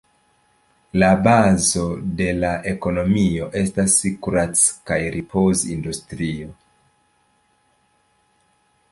La bazo de la ekonomio estas kurac- kaj ripoz-industrio.